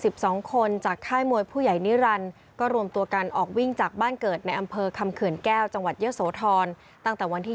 บ้านเกิดในอำเภอคำเขื่นแก้วจังหวัดเยื่อโสธรตั้งแต่วันที่